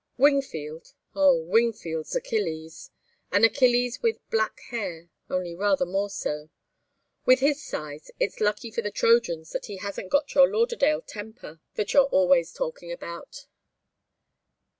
Wingfield oh, Wingfield's Achilles. An Achilles with black hair only rather more so. With his size, it's lucky for the Trojans that he hasn't got your Lauderdale temper that you're always talking about.